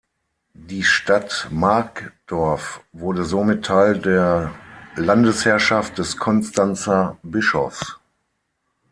Die Stadt Markdorf wurde somit Teil der Landesherrschaft des Konstanzer Bischofs.